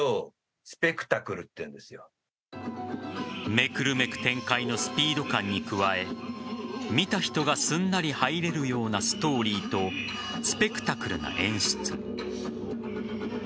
めくるめく展開のスピード感に加え見た人がすんなり入れるようなストーリーとスペクタクルな演出。